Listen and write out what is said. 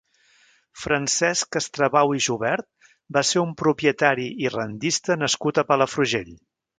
Francesc Estrabau i Jubert va ser un propietari i rendista nascut a Palafrugell.